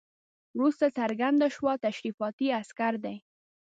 وروسته څرګنده شوه تشریفاتي عسکر دي.